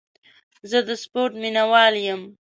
زه د سپورټ مینهوال یم.